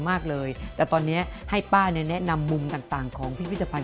มากเลยแต่ตอนเนี้ยให้ป้าเนี้ยแนะนำมุมต่างต่าง